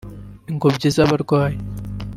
ingobyi z’abarwayi